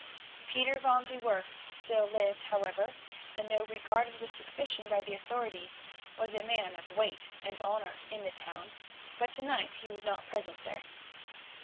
Pieter van de Werff still lived, however, and though regarded with suspicion by the authorities, was a man of weight and honour in the town, but to night he was not present there.